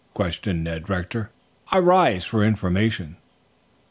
questioned Ned Rector. "I rise for information."